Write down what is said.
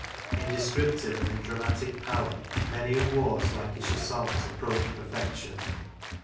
In descriptive and in dramatic power, many of Waugh's Lancashire Songs ap proach perfection.